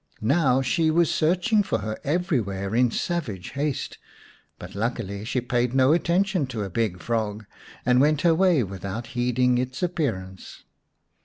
Now she was searching for her every where in savage haste, but luckily she paid no attention to a big frog, and went her way with out heeding its appearance.